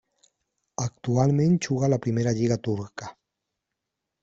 Actualment juga a la primera lliga turca.